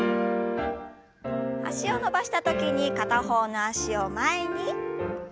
脚を伸ばした時に片方の脚を前に。